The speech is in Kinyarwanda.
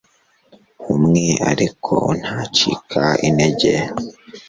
umwe ariko, ntacika intege